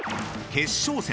［決勝戦！